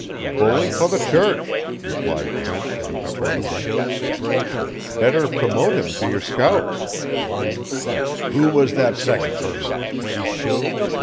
"Bully for the Church," replied Trent, imperturbably. "Better promote him to your scouts." "Who was that second person?"